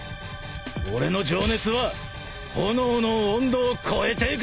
俺の情熱は炎の温度を超えていく！